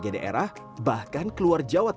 pada umur kebun krisan ini terdapat